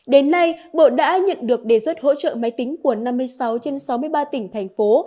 đến nay bộ đã nhận được đề xuất hỗ trợ máy tính của năm mươi sáu trên sáu mươi ba tỉnh thành phố